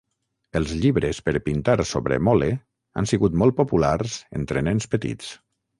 Els llibres per pintar sobre Mole han sigut molt populars entre nens petits.